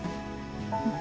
うん。